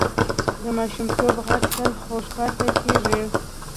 د ماشومتوب غږ تل خوږ پاتې کېږي